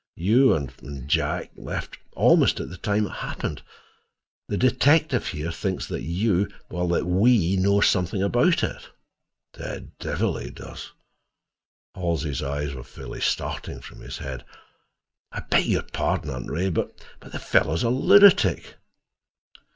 "You and—and Jack left almost at the time it happened. The detective here thinks that you—that we—know something about it." "The devil he does!" Halsey's eyes were fairly starting from his head. "I beg your pardon, Aunt Ray, but—the fellow's a lunatic."